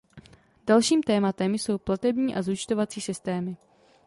Dalším tématem jsou platební a zúčtovací systémy.